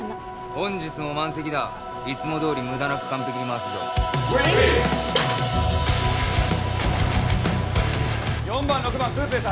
本日も満席だいつもどおり無駄なく完璧に回すぞウイ４番６番食うペース